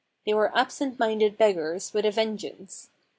They were "absent minded beggars" with a vengeance.